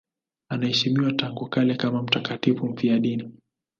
Anaheshimiwa tangu kale kama mtakatifu mfiadini.